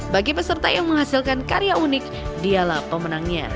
bagi peserta yang menghasilkan karya unik dialah pemenangnya